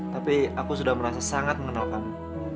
tapi aku sudah merasa sangat mengenal kami